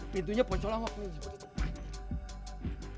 pintunya poncol lah waktu ini